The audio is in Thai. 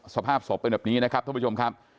สภาพศพเป็นแบบนี้นะครับท่านผู้ชมครับ